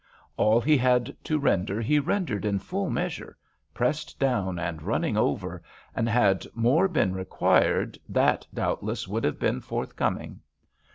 All he had to render he rendered in full measure, pressed down and running over, and had more been required that, doubtless, would have been forthcoming.